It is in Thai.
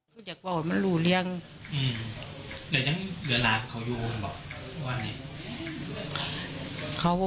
พวกฉันก็หายเยอะ